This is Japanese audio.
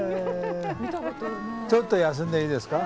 ちょっと休んでいいですか？